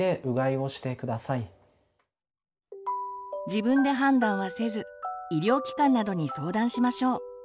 自分で判断はせず医療機関などに相談しましょう。